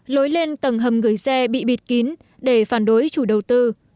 lối lên tầng hầm gửi xe bị bịt kín để phản đối chủ đầu tư